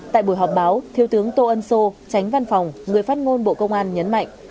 tại buổi họp báo thiếu tướng tô ân sô tránh văn phòng người phát ngôn bộ công an nhấn mạnh